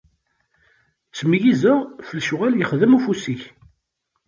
Ttmeyyizeɣ ɣef lecɣwal yexdem ufus-ik.